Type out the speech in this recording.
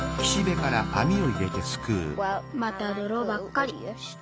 またドロばっかり。